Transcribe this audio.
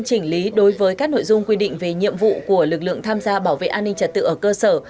chỉnh lý đối với các nội dung quy định về nhiệm vụ của lực lượng tham gia bảo vệ an ninh trật tự ở cơ sở